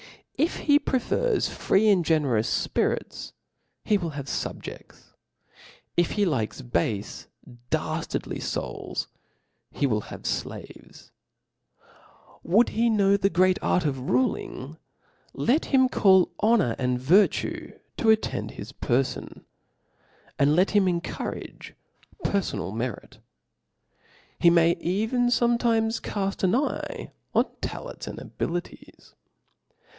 If he prefers free and generous fpirits, he Mriil h^ve.fabjeifls : if he likes barfe daftardly (buk, be will have flaV'es, Would he know the great arc of roHog v lee him call honor and virtue to at tend his p^ibn ; and let hitn en43durage peribnal merit. He may even fometimes caft an eye on ta lents and abilities.